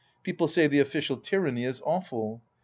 People say the official tyranny is awful.